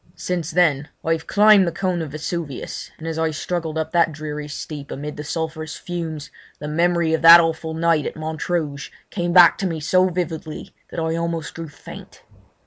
Since then I have climbed the cone of Vesuvius, and as I struggled up that dreary steep amid the sulphurous fumes the memory of that awful night at Montrouge came back to me so vividly that I almost grew faint.